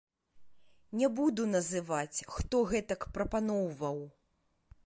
Не буду называць, хто гэтак прапаноўваў.